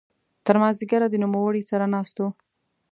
تر ماذیګره د نوموړي سره ناست وو.